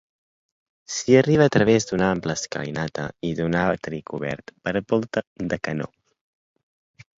S'hi arriba a través d'una ampla escalinata i d'un atri cobert per volta de canó.